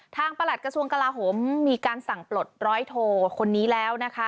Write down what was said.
ประหลัดกระทรวงกลาโหมมีการสั่งปลดร้อยโทคนนี้แล้วนะคะ